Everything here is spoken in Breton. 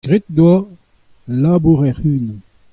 Graet he doa al labour hec'h-unan.